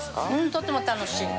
とても楽しい。